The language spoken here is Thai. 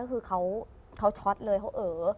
คือเขาช็อตเลยเขาเอ๋อ